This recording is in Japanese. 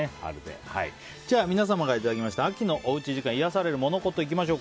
皆様から頂きました秋のおうち時間いやされるモノ・コトいきましょう。